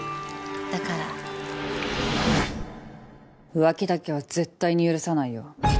浮気だけは絶対に許さないよ。